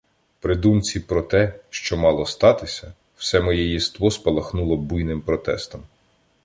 При думці про те, що мало статися, все моє єство спалахнуло буйним протестом.